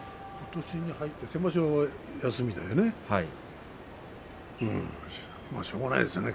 ことしに入って先場所は休みですよね。